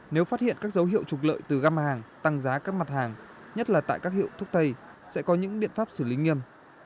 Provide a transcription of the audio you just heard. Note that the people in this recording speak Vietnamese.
nếu phát hiện các dấu hiệu trục lợi từ găm hàng tăng giá các mặt hàng nhất là tại các hiệu thuốc tây sẽ có những biện pháp xử lý nghiêm